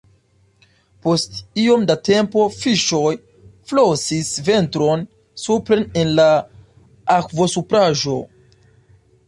Post iom da tempo fiŝoj flosis ventron supren en la akvosupraĵo.